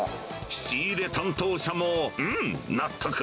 仕入れ担当者もうん、納得。